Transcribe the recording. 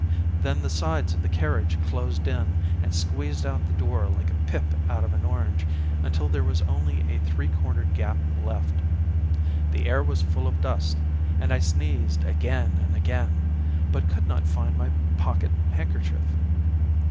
Then the sides of the carriage closed in and squeezed out the door like a pip out of an orange, until there was only a three cornered gap left. The air was full of dust, and I sneezed again and again, but could not find my pocket handkerchief.